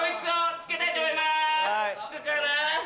付くかな？